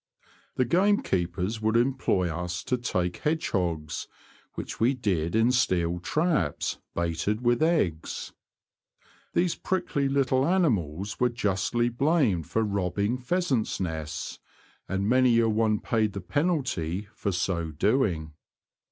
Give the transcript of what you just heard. The gamekeepers would employ us to take hedgehogs, which we did in steel traps baited with eggs. These prickly little animals were justly blamed for robbing pheasants' nests, and many a one paid the penalty for so doing.